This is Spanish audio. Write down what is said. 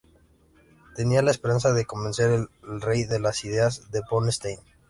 Tenía la esperanza de convencer al rey de las ideas de von Stein.